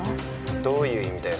どういう意味だよ？